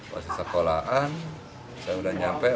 pas ke sekolah saya sudah nyampe